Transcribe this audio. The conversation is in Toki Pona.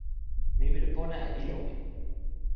mi wile pona e ilo mi.